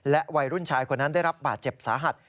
วัยรุ่นชายคนนั้นได้รับบาดเจ็บสาหัส